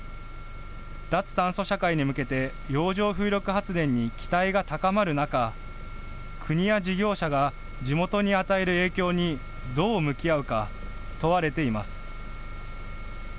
脱炭素社会に向けて洋上風力発電に期待が高まる中、国や事業者が地元に与える影響にどう向き合うか問われています。